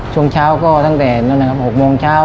ช่วงเช้าก็ตั้งแต่๖โมงเช้า